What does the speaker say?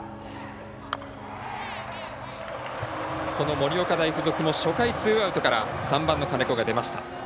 盛岡大付属も初回ツーアウトから３番の金子が出ました。